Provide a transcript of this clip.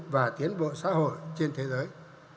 và tiến bộ xã hội trên thế giới